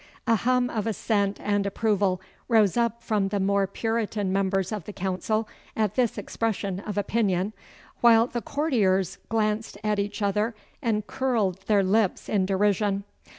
A hum of assent and approval rose up from the more Puritan members of the council at this expression of opinion, while the courtiers glanced at each other and curled their lips in derision.